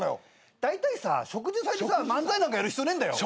だいたいさ植樹祭でさ漫才なんかやる必要ねえんだよ。